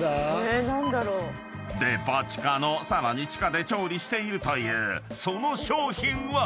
［デパ地下のさらに地下で調理しているというその商品は］